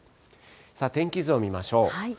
さあ、天気図を見ましょう。